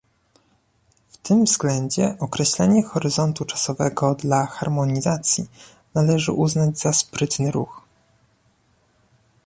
W tym względzie określenie horyzontu czasowego dla harmonizacji należy uznać za sprytny ruch